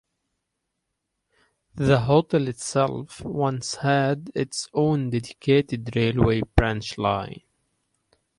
The hotel itself once had its own dedicated railway branch line.